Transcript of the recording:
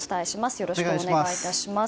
よろしくお願いします。